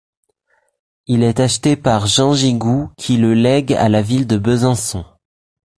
Il est acheté par Jean Gigoux qui le lègue à la ville de Besançon.